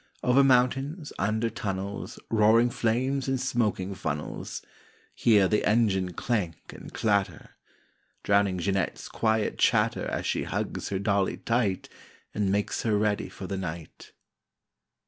Over mountains, under tunnels, Roaring flames and smoking funnels— Hear the engine clank and clatter! Drowning Jeanette's quiet chatter As she hugs her dolly tight And makes her ready for the night.